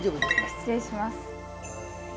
失礼します。